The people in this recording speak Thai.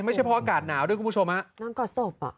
ไม่เฉพาะอากาศหนาวด้วยคุณผู้ชมนอนกอดศพ